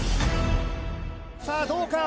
さあどうか。